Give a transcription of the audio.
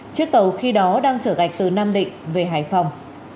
chiếc tàu khi đó đang trở gạch từ nam định về hải phòng